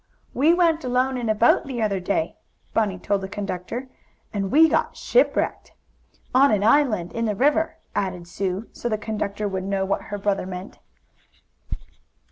"We went alone in a boat the other day," Bunny told the conductor, "and we got shipwrecked." "On an island in the river," added Sue, so the conductor would know what her brother meant.